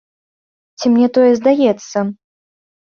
Ці мне тое здаецца?